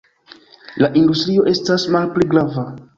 La industrio estas malpli grava.